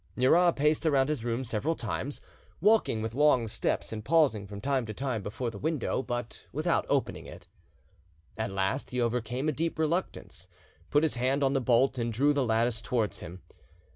Murat paced round his room several times, walking with long steps, and pausing from time to time before the window, but without opening it. At last he overcame a deep reluctance, put his hand on the bolt and drew the lattice towards him.